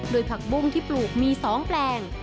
โดยผักบุ้งที่ปลูกมี๒แปลง